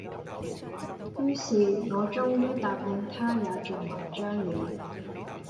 于是我終于答應他也做文章了，